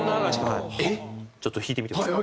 ちょっと弾いてみてもいい？